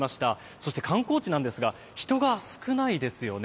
そして、観光地なんですが人が少ないですよね。